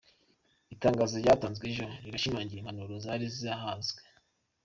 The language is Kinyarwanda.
Itangazo ryatanzwe ejo rirashimangira impanuro zari zihasanzwe.